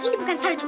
ini bukan salju